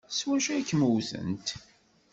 S wacu ay kem-wtent?